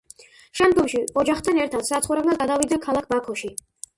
შემდგომში ოჯახთან ერთად საცხოვრებლად გადავიდა ქალაქ ბაქოში.